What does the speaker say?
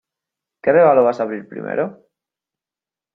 ¿ Qué regalo vas a abrir primero?